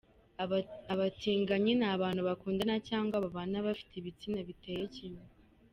Abatinganyi ni abantu bakundana cyangwa babana bafite ibitsina biteye kimwe.